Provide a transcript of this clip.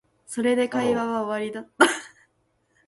それで会話は終わりだった